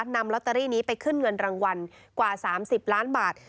นำลอตเตอรี่นี้ไปขึ้นเงินรางวัลกว่า๓๐ล้านบาท